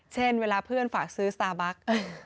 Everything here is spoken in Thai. เช่นเวลาเพื่อนฝากซื้อสตาร์บัค